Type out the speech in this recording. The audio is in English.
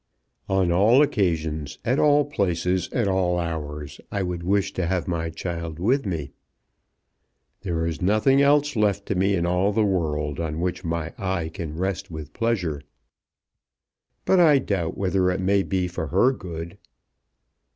"On all occasions, at all places, at all hours, I would wish to have my child with me. There is nothing else left to me in all the world on which my eye can rest with pleasure. But I doubt whether it may be for her good."